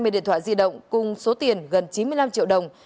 hai mươi điện thoại di động cùng số tiền gần chín mươi năm triệu đồng